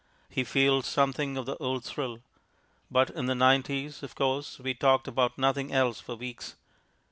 He feels something of the old thrill. But in the nineties, of course, we talked about nothing else for weeks.